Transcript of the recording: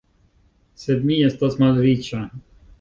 Sed mi estas malriĉa.